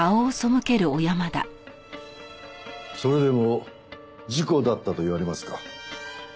それでも事故だったと言われますか？